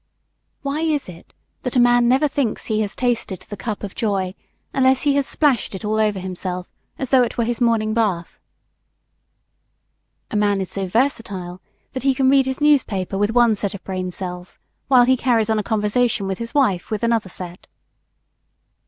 Why is it that a man never thinks he has tasted the cup of joy unless he has splashed it all over himself, as though it were his morning bath? A man is so versatile that he can read his newspaper with one set of brain cells while he carries on a conversation with his wife with another set.